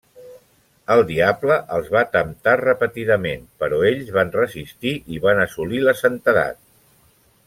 El diable els va temptar repetidament, però ells van resistir i van assolir la santedat.